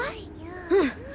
うん。